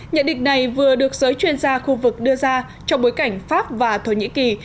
nhận định này vừa được giới chuyên gia khu vực đưa ra trong bối cảnh pháp và thổ nhĩ kỳ